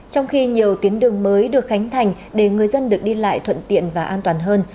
trong khi nhiều tuyến đường mới được khánh thành để người dân được đi lại thuận tiện và an toàn hơn